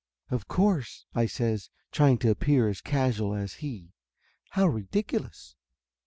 "Of course!" I says, trying to appear as casual as he. "How ridiculous!"